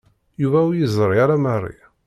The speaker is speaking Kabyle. Yuba ur yeẓri ara Mary.